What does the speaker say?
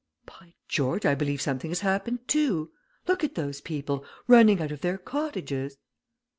"By George! I believe something has happened, too! Look at those people, running out of their cottages!"